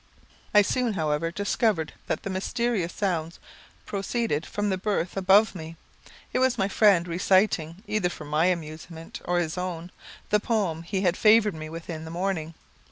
I soon, however, discovered that the mysterious sounds proceeded from the berth above me. It was my friend reciting, either for my amusement or his own, the poem he had favoured me with in the morning.